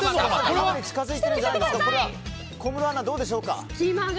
小室アナ、どうでしょうか。